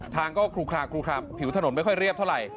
ทางก็คลุกคลามผิวถนนไม่ค่อยเรียบเท่าไหร่